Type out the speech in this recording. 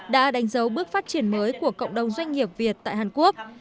đã đánh dấu bước phát triển mới của cộng đồng doanh nghiệp việt tại hàn quốc